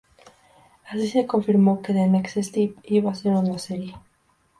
Así se confirmó que The Next Step iba a ser una serie.